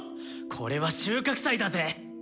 これは収穫祭だぜ。